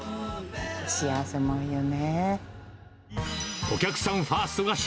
幸せもんよね。